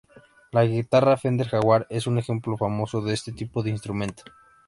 La guitarra Fender Jaguar es un ejemplo famoso de este tipo de instrumento.